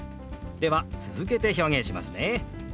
では続けて表現しますね。